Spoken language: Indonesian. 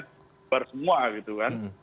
babar semua gitu kan